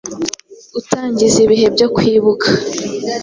utangiza ibihe byo kwibuka